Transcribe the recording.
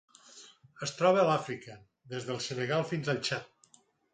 Es troba a Àfrica: des del Senegal fins al Txad.